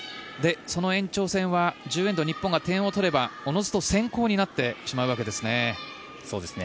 その延長戦は１０エンド日本が得点を取ればおのずと先攻になってしまうわけですね。